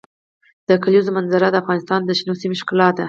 د کلیزو منظره د افغانستان د شنو سیمو ښکلا ده.